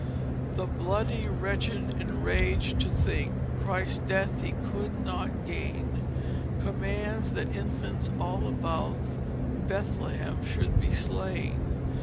The Bloody Wretch enrag'd to think Christ's Death he could not gain, Commands that Infants all about Bethlehem should be slain.